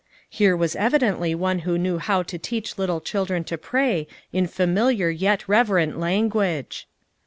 Here was evidently one who knew how to teach little children to pray in familiar yet reverent language.